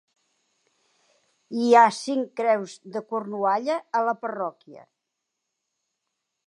Hi ha cinc creus de Cornualla a la parròquia.